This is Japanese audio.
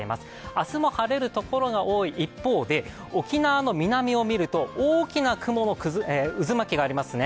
明日も晴れる所が多い一方で、沖縄の南を見ると、大きな雲の渦巻きがありますね。